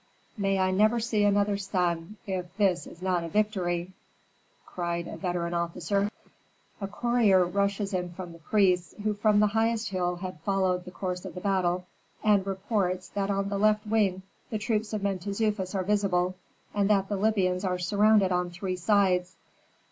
"May I never see another sun, if this is not a victory!" cried a veteran officer. A courier rushes in from the priests, who from the highest hill had followed the course of the battle, and reports that on the left wing the troops of Mentezufis are visible, and that the Libyans are surrounded on three sides.